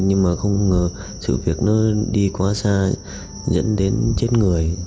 nhưng mà không sự việc nó đi quá xa dẫn đến chết người